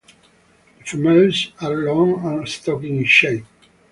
The females are long and stocky in shape.